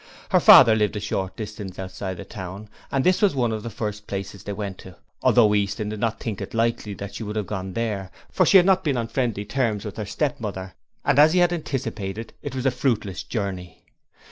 Her father lived a short distance outside the town, and this was one of the first places they went to, although Easton did not think it likely she would go there, for she had not been on friendly terms with her stepmother, and as he had anticipated, it was a fruitless journey.